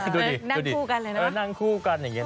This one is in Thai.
ดูดิดูดินั่งคู่กันอย่างนี้นะครับนั่งคู่กัน